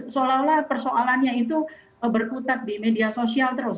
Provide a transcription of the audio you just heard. seolah olah persoalannya itu berkutat di media sosial terus